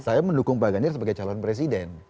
saya mendukung pak ganjar sebagai calon presiden